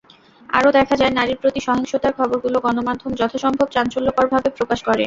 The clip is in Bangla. আরও দেখা যায়, নারীর প্রতি সহিংসতার খবরগুলো গণমাধ্যম যথাসম্ভব চাঞ্চল্যকরভাবে প্রকাশ করে।